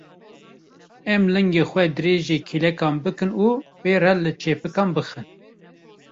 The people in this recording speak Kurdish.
Em lingên xwe dirêjî kêlekan bikin û pê re li çepikan bixin.